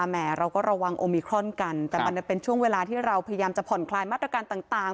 มันเป็นช่วงเวลาที่เราพยายามจะผ่อนคลายมาตรการต่าง